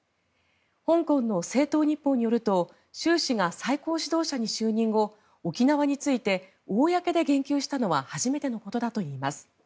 香港の星島日報によると習氏が最高指導者に就任後沖縄について公で言及したのは初めてのことだといいます。